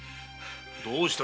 どうした？